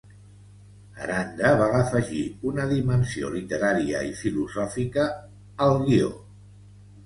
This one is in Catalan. Aranda va afegir una dimensió literària i filosòfica al guió.